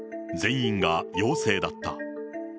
全員が陽性だった。